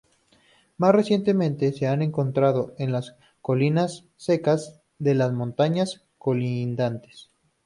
Más recientemente, se ha encontrado en las colinas secas de las montañas colindantes.